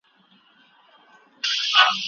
ملي عاید په تیرو وختونو کي ښه والی موندلی دی.